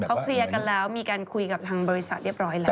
เขาเคลียร์กันแล้วมีการคุยกับทางบริษัทเรียบร้อยแล้ว